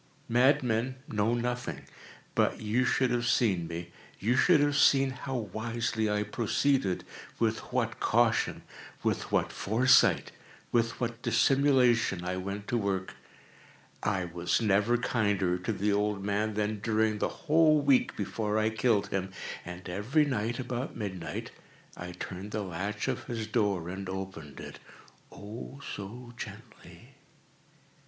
Madmen know nothing. But you should have seen me. You should have seen how wisely I proceeded—with what caution—with what foresight—with what dissimulation I went to work! I was never kinder to the old man than during the whole week before I killed him. And every night, about midnight, I turned the latch of his door and opened it—oh, so gently!